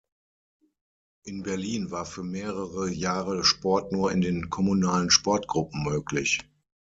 In Berlin war für mehrere Jahre Sport nur in den kommunalen Sportgruppen möglich.